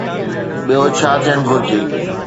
ٻيو ڇا ٿيڻ گهرجي؟